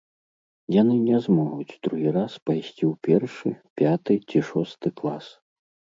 Яны не змогуць другі раз пайсці ў першы, пяты ці шосты клас.